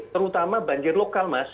terutama banjir lokal mas